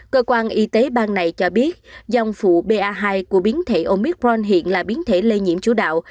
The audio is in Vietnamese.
cơ quan y tế bang này cho biết dòng phụ ba hai của biến thể omicron hiện là biến thể lây nhiễm chủ đạo